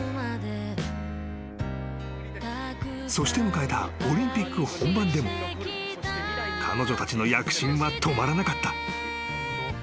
［そして迎えたオリンピック本番でも彼女たちの躍進は止まらなかった］